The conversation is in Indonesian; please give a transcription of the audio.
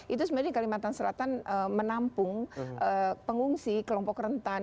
itu sebenarnya di kalimantan selatan menampung pengungsi kelompok rentan